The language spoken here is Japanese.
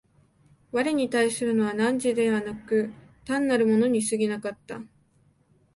我に対するのは汝でなく、単なる物に過ぎなかった。